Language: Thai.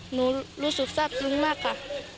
หนูรู้สึกทราบซึ้งมากค่ะ